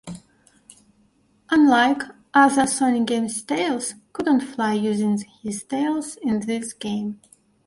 Unlike other Sonic games Tails could not fly using his tails in this game.